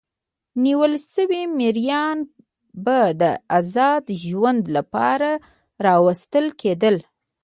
نیول شوي مریان به د ازاد ژوند لپاره راوستل کېدل.